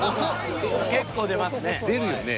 結構出ますね。